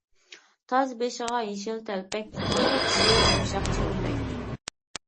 تاز بېشىغا يېشىل تەلپەك، قېرى كىشىگە يۇمشاق چەلپەك.